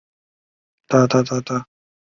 洛特河畔卡斯泰尔莫龙。